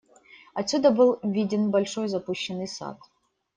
Отсюда был виден большой запущенный сад.